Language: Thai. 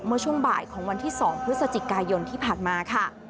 เมื่อช่วงบ่ายของวันที่๒พฤศจิกายนที่ผ่านมาค่ะ